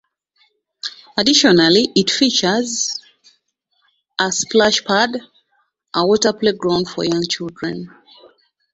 Additionally it features a "splash pad", a water playground for young children.